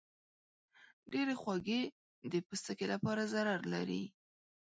ډېرې خوږې د پوستکي لپاره ضرر لري.